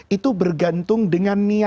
itu bergantung dengan niatnya